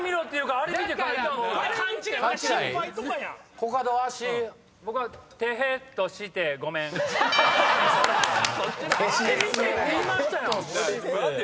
「あれ見て」って言いましたやん。